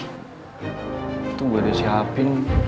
itu gue udah siapin